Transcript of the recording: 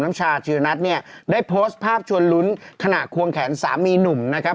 น้ำชาชีวนัทครับผมโพสต์ขอโทษทำเข้าใจผิดหวังคำเวพรเป็นจริงนะครับ